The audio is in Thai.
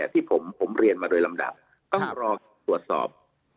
ที่ผมเรียนมาโดยลำดับต้องรอตรวจสอบ